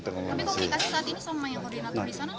tapi komunikasi saat ini sama yang koordinator di sana